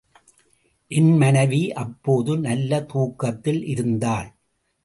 என் மனைவி அப்போது நல்ல தூக்கத்தில் இருந்தாள்.